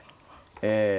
ええ。